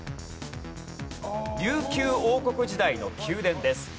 琉球王国時代の宮殿です。